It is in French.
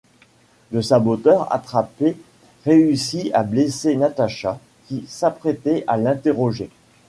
Le saboteur attrapé réussit à blesser Natacha qui s'apprêtait à l’interroger.